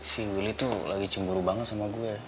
si willy tuh lagi cemburu banget sama gue